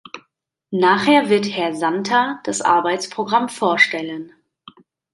Nachher wird Herr Santer das Arbeitsprogramm vorstellen.